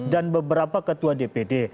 dan beberapa ketua dpd